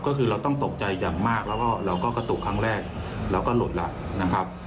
ก็คือเราต้องตกใจอย่างมากแล้วก็เราก็กระตุกครั้งแรกเราก็หลุดแล้วนะครับ